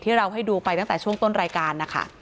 เราให้ดูไปตั้งแต่ช่วงต้นรายการนะคะ